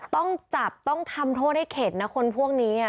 ต้องจับต้องทำโทษให้เข็ดนะคนพวกนี้